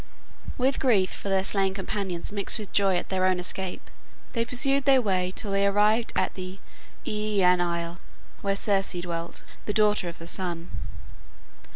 With grief for their slain companions mixed with joy at their own escape, they pursued their way till they arrived at the Aeaean isle, where Circe dwelt, the daughter of the sun.